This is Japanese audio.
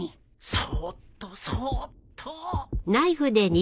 そーっとそーっと